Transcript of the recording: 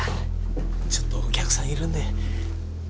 ちょっとお客さんいるんで。